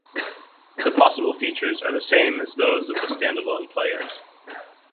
The possible features are the same as those of the standalone players.